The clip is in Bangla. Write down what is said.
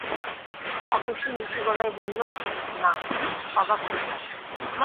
অতসী নিচু গলায় বলল, না, অবাক হই নি।